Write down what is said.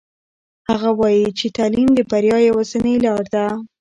هغه وایي چې تعلیم د بریا یوازینۍ لاره ده.